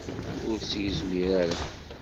Ur s-yezmir ara.